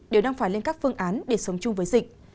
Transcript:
đều đang phải lên các phương án để sống chung với dịch